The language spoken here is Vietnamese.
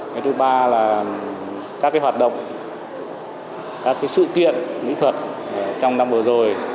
cái thứ ba là các cái hoạt động các cái sự kiện lý thuật trong năm vừa rồi